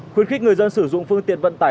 khuyến khích người dân sử dụng phương tiện vận tải